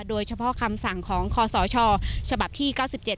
โดยเฉพาะคำสั่งของคศฉบับที่๙๗๒๕๕๗